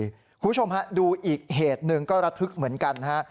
คุณผู้ชมฮะดูอีกเหตุหนึ่งก็ระทึกเหมือนกันฮะ